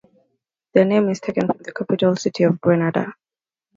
The name is taken from the capital city of Grenada.